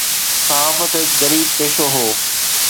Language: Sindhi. صحافت هڪ غريب پيشو هو.